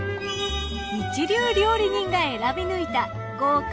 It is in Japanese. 一流料理人が選び抜いた豪華！